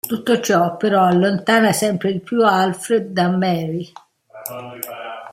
Tutto ciò però allontana sempre di più Alfred da Mary.